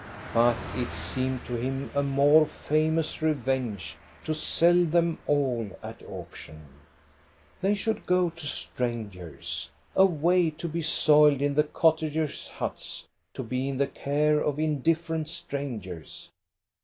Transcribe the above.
But it seemed to him a more famous revenge to sell them all at auction. They should go to strangers ! Away to be soiled in the cottagers' huts, to be in the care of indifferent strangers.